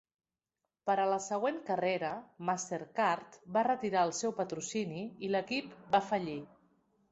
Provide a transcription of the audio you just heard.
Per a la següent carrera, Mastercard va retirar el seu patrocini i l'equip va fallir.